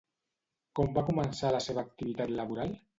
Com va començar la seva activitat laboral?